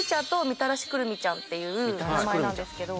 みたらしくるみｃｈａｎっていう名前なんですけど。